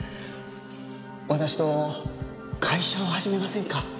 私と会社を始めませんか？